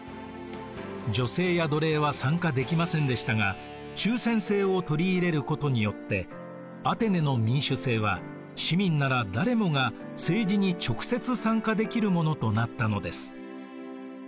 女性や奴隷は参加できませんでしたが抽選制を取り入れることによってアテネの民主政は市民なら誰もが政治に直接参加できるものとなったのです。